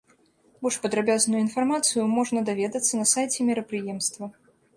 Больш падрабязную інфармацыю можна даведацца на сайце мерапрыемства.